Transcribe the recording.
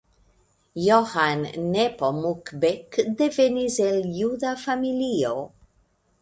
Johann Nepomuk Beck devenis el juda familio.